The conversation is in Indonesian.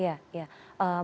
jadi kita harus bersabar